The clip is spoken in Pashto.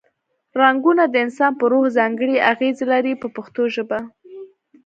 رنګونه د انسان په روح ځانګړې اغیزې لري په پښتو ژبه.